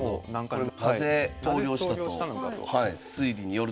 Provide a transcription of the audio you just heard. なぜ投了したと推理によると？